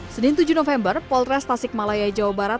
senin tujuh november polres tasik malaya jawa barat